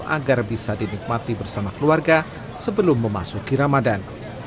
agar bisa dinikmati bersama keluarga sebelum memasuki ramadan